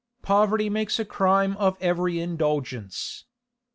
Poverty makes a crime of every indulgence.